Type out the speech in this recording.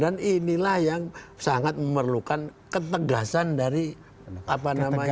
inilah yang sangat memerlukan ketegasan dari apa namanya